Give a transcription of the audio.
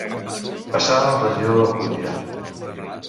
Passar el regidor d'Alcúdia.